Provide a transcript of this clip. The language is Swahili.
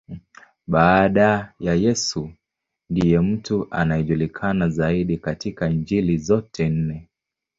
Baada ya Yesu, ndiye mtu anayejulikana zaidi katika Injili zote nne.